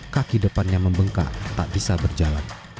kaki depannya membengkak tak bisa berjalan